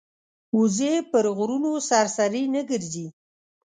وزې پر غرونو سرسري نه ګرځي